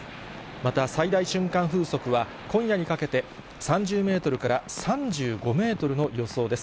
また、最大瞬間風速は今夜にかけて、３０メートルから３５メートルの予想です。